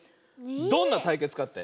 どんなたいけつかって？